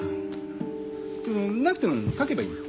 なくても書けばいいんだよ。